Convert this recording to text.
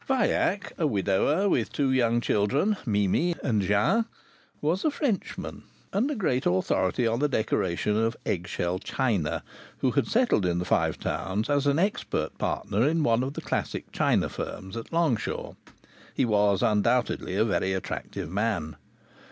Vaillac, a widower with two young children, Mimi and Jean, was a Frenchman, and a great authority on the decoration of egg shell china, who had settled in the Five Towns as expert partner in one of the classic china firms at Longshaw. He was undoubtedly a very attractive man.